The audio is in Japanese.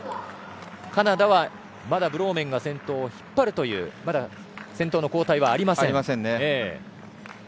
カナダはまだブローメンが先頭を引っ張るというまだ先頭の交代はありません。